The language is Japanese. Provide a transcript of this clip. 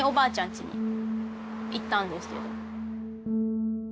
家に行ったんですけど。